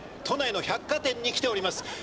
都内の百貨店に来ております。